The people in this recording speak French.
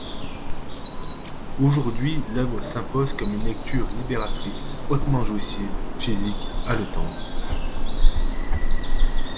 Aujourd'hui, l'œuvre s'impose comme une lecture libératrice, hautement jouissive, physique, haletante.